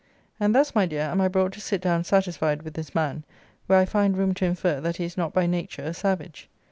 And thus, my dear, am I brought to sit down satisfied with this man, where I find room to infer that he is not by nature a savage.